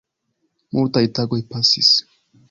Multaj tagoj pasis.